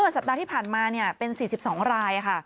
สัปดาห์ที่ผ่านมาเป็น๔๒รายค่ะ